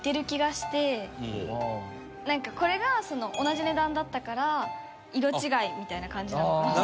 これが同じ値段だったから色違いみたいな感じなのかなと。